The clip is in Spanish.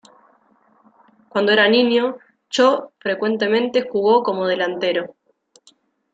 Cuando era niño, Cho frecuentemente jugó como delantero.